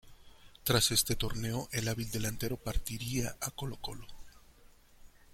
Tras este torneo el hábil delantero partiría a Colo-Colo.